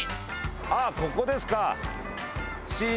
ああここですか。